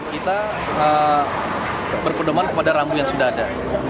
kita berpedoman kepada rambu yang sudah ada